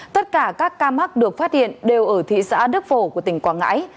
tất cả các ca mắc được phát hiện đều ở thị xã đức phổ của tỉnh quảng ngãi